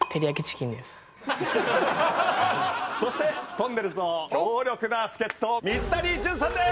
そしてとんねるずの強力な助っ人水谷隼さんです！